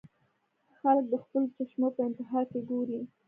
خلک د خپلو چشمو پۀ انتها کښې ګوري -